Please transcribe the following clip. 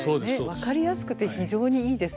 分かりやすくて非常にいいです。